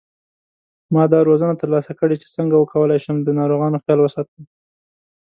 ما دا روزنه تر لاسه کړې چې څنګه وکولای شم د ناروغانو خیال وساتم